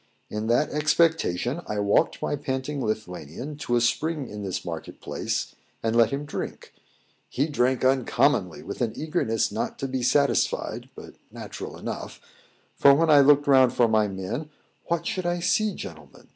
In that expectation I walked my panting Lithuanian to a spring in this market place, and let him drink. He drank uncommonly, with an eagerness not to be satisfied, but natural enough; for when I looked round for my men, what should I see, gentlemen!